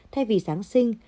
thay vì giáng sinh